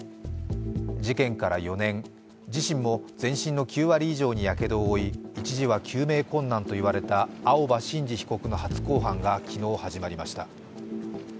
事件から４年、自身も全身の９割以上にやけどを負い、一時は救命困難といわれた青葉真司被告の初公判が昨日始まりました。